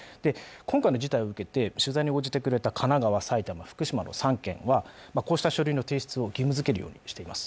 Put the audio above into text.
今回の事態を受けて取材に応じてくれた神奈川、埼玉、福島の３県はこうした書類の提出を義務づけるようにしています。